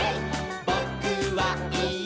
「ぼ・く・は・い・え！